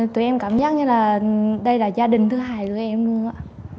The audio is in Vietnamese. tụi em cảm giác như là đây là gia đình thứ hai tụi em luôn